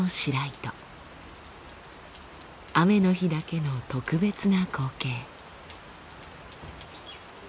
雨の日だけの特別な光景。